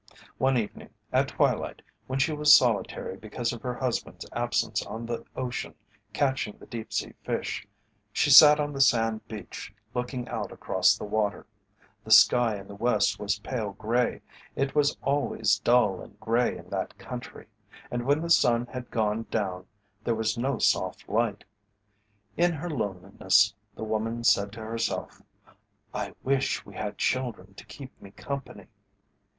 One evening at twilight when she was solitary because of her husband's absence on the ocean catching the deep sea fish, she sat on the sand beach looking out across the water. The sky in the west was pale grey; it was always dull and grey in that country, and when the sun had gone down there was no soft light. In her loneliness the woman said to herself, "I wish we had children to keep me company."